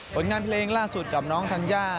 ผลงานเพลงล่าสุดกับน้องธัญญา